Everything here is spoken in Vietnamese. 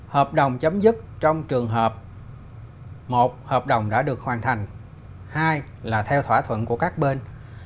hợp đồng chấm dứt trong trường hợp một hợp đồng đã được hoàn thành hai là theo thỏa thuận của các bên